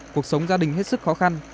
cuộc sống gia đình hết sức khó khăn